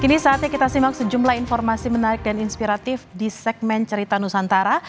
kini saatnya kita simak sejumlah informasi menarik dan inspiratif di segmen cerita nusantara